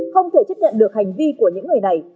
không thể chấp nhận được hành vi của những người này